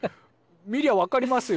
見りゃわかりますよ。